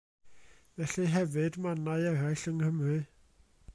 Felly hefyd mannau eraill yng Nghymru.